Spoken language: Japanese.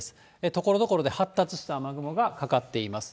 ところどころで発達した雨雲がかかっています。